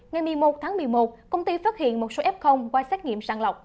ngày một mươi một tháng một mươi một công ty phát hiện một số f qua xét nghiệm sàng lọc